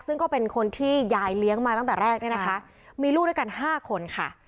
ซึ่งก็เป็นคนที่ยายเลี้ยงมาตั้งแต่แรกเนี่ยนะคะมีลูกด้วยกัน๕คนค่ะ